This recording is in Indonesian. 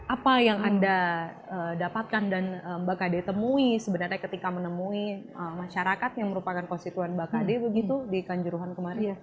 apa yang anda dapatkan dan mbak kade temui sebenarnya ketika menemui masyarakat yang merupakan konstituen mbak kade begitu di kanjuruhan kemarin